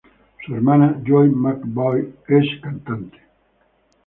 Su hermana, Joy McAvoy, es cantante.